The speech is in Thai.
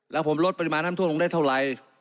แล้วผมลดปริมาณน้ำท่วมลงได้เท่าไหร่